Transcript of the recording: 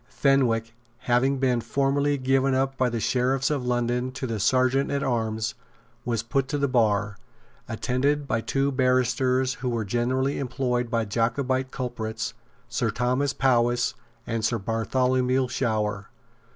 Fenwick, having been formally given up by the Sheriffs of London to the Serjeant at Arms, was put to the bar, attended by two barristers who were generally employed by Jacobite culprits, Sir Thomas Powis and Sir Bartholomew Shower.